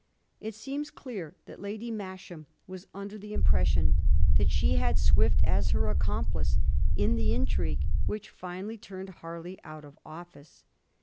It seems clear that Lady Masham was under the impression that she had Swift as her accomplice in the intrigue which finally turned Harley out of office.